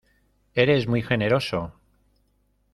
¡ eres muy generoso!